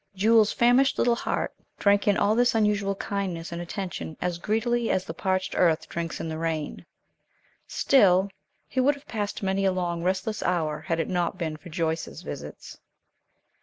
Jules's famished little heart drank in all this unusual kindness and attention as greedily as the parched earth drinks in the rain. Still, he would have passed many a long, restless hour, had it not been for Joyce's visits.